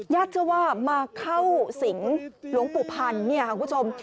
ยัตเจ้าว่ามาเข้าสิงหลวงปุปันคุณผู้ชม